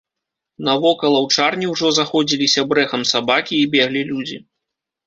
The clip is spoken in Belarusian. Навокал аўчарні ўжо заходзіліся брэхам сабакі і беглі людзі.